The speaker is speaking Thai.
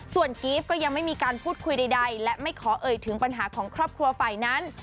ส่วนกีฟก็ยังไม่มีการพูดคุยใดและไม่ขอเอ่ยถึงปัญหาของครอบครัวฝ่ายนั้น